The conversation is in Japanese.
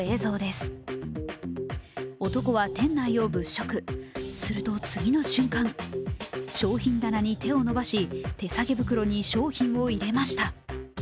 すると、次の瞬間、商品棚に手を伸ばし、手提げ袋に商品を入れました。